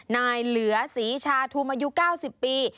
นายเหลือศรีชาทูมอายุ๙๐ปี